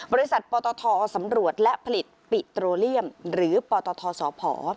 บริษัทปตทสำรวจและผลิตปิโตเลียมหรือปตทสพ